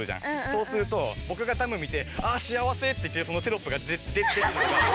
そうすると僕がダム見て「あ幸せ」って言ってるそのテロップが出てるのが。